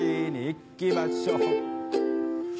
いきましょう